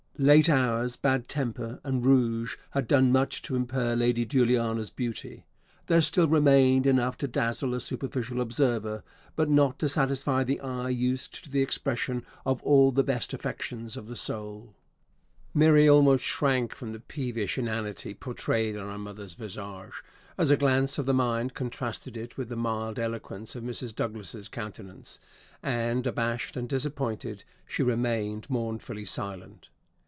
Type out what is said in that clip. Late hours, bad temper, and rouge had done much to impair Lady Juliana's beauty. There still remained enough to dazzle a superficial observer; but not to satisfy the eye used to the expression of all the best affections of the soul. Mary almost shrank from the peevish inanity portrayed on her mother's visage, as a glance of the mind contrasted it with the mild eloquence of Mrs. Douglas's countenance; and, abashed and disappointed, she remained mournfully silent.